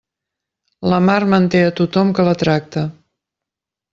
La mar manté a tothom que la tracta.